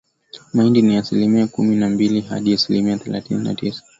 mahindi ni asilimia kumi na mbili hadi asilimia thelathini na tisa